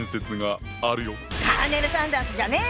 カーネル・サンダースじゃねよ！